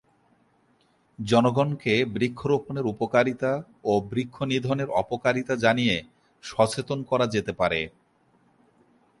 জনগনকে বৃক্ষরোপণের উপকারিতা ও বৃক্ষনিধণের অপকারিতা জানিয়ে সচেতন করা যেতে পারে।